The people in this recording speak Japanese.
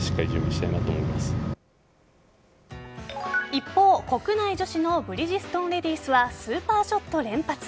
一方、国内女子のブリヂストンレディスはスーパーショット連発。